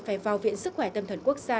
phải vào viện sức khỏe tâm thần quốc gia